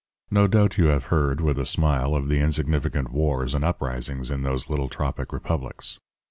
No doubt you have heard, with a smile, of the insignificant wars and uprisings in those little tropic republics.